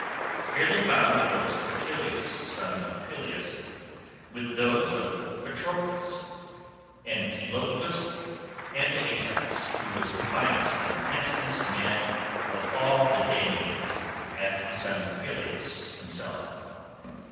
Here they found the ghost of Achilles son of Peleus, with those of Patroclus, Antilochus, and Ajax, who was the finest and handsomest man of all the Danaans after the son of Peleus himself.